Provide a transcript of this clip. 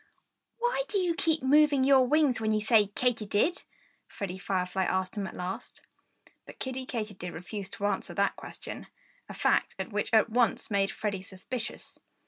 "Why do you keep moving your wings when you say Katy did?" Freddie Firefly asked him at last. But Kiddie refused to answer that question a fact which at once made Freddie suspicious.